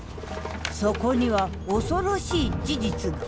そこには恐ろしい事実が。